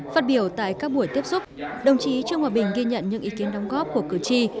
phát biểu tại các buổi tiếp xúc đồng chí trương hòa bình ghi nhận những ý kiến đóng góp của cử tri